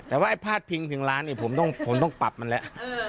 แต่ว่าไอ้พาดพิงถึงร้านเนี่ยผมต้องปรับมันแล้ว